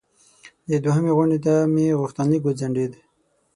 دوهمې غونډې ته مې غوښتنلیک وځنډیده.